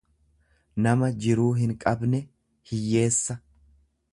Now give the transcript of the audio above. nama jiruu hinqabne, hiyyeessa.